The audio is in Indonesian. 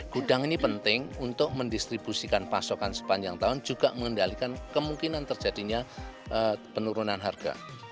gudang ini penting untuk mendistribusikan pasokan sepanjang tahun juga mengendalikan kemungkinan terjadinya penurunan harga